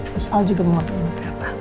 terus al juga mau pilih berapa